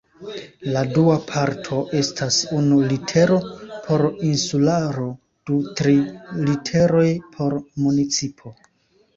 La dua parto estas unu litero por insularo du tri literoj por municipo.